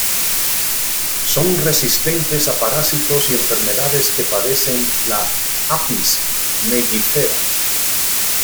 Son resistentes a parásitos y enfermedades que padecen la "Apis mellifera".